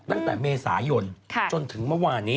ตั้งแต่เมษายนจนถึงเมื่อวานนี้